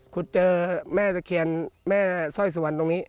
ขุดเจอแม่ตะเคียนแม่สร้อยสุวรรณตรงนี้